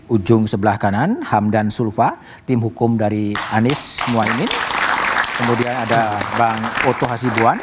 ujung sebelah kanan hamdan sulfa tim hukum dari anies muhaymin kemudian ada bang oto hasibuan